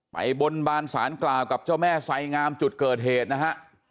บนบานสารกล่าวกับเจ้าแม่ไสงามจุดเกิดเหตุนะฮะ